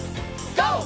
ＧＯ！